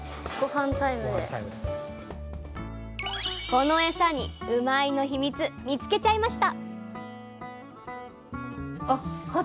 このエサにうまいッ！のヒミツ見つけちゃいました！